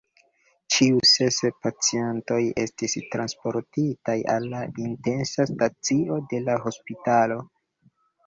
Ĉiu ses pacientoj estis transportitaj al la intensa stacio de la hospitalo.